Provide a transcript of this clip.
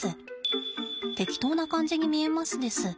適当な感じに見えますです。